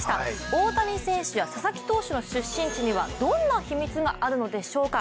大谷選手や佐々木投手の出身地にはどんな秘密があるのでしょうか。